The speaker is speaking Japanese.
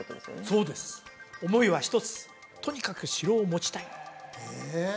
そうです思いは一つとにかく城を持ちたいええ？